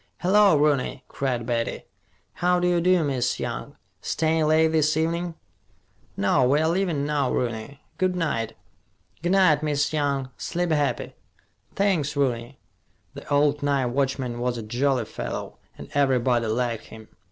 "Hello, Rooney," cried Betty. "How d'ye do, Miss Young! Stayin' late this evenin'?" "No, we're leaving now, Rooney. Good night." "G' night, Miss Young. Sleep happy." "Thanks, Rooney." The old night watchman was a jolly fellow, and everybody liked him.